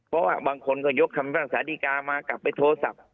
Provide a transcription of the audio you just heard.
เพราะว่าบางคนก็ยกคำภาษาดีกามากลับไปโทรศัพท์